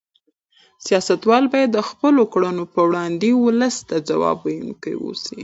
سیاستوال باید د خپلو کړنو په وړاندې ولس ته ځواب ویونکي اوسي.